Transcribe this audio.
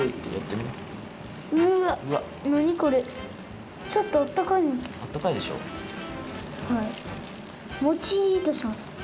もちっとします。